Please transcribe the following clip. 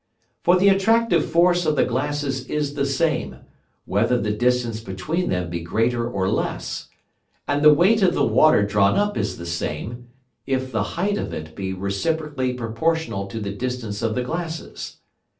For the attractive Force of the Glasses is the same, whether the distance between them be greater or less; and the weight of the Water drawn up is the same, if the height of it be reciprocally proportional to the distance of the Glasses.